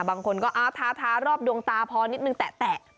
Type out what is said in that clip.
บางคนก็ทารอบดวงตาพอนิดนึงแตะ